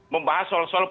membahas soal soal penduduk